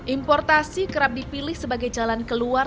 importasi kerap dipilih sebagai jalan keluar